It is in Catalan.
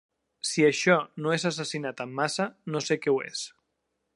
Si això no és assassinat en massa, no sé què ho és.